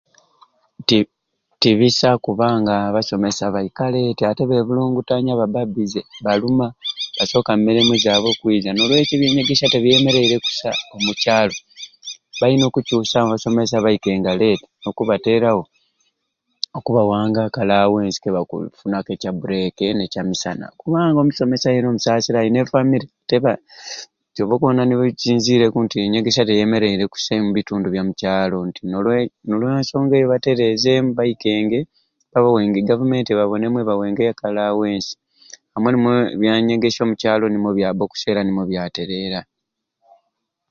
Ti ti bisai kubanga abasomesa baika late ate bebulungutanya baba bize baluma basoka mirimu zabwe okwiza nolwekyo ebyanyegesya tibyemereire kusai omukyalo bayina okucusamu abasaomesa baikenga letti nokubaterawo, okubawanga aka alawensi kebakufunangaku ekya bureke nekya musana kubanga omusomesa yena omusasira ayina e famire teka kyova okubona nikizwireku nti enyegesya teyemereire kusai ombitundu bya mukyalo nti nolwekyo nolwa nsonga eyo baterezeemu baikenge babawenge e gavumenti eba bonengemu nebawa ak'alawensi awo ebyanyegesya omukyalo nimwo byaba okusai era nimwo byaterera.